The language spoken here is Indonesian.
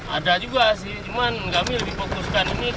ada juga sih cuman kami lebih fokuskan ini